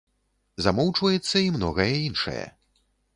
Замоўчваецца і многае іншае.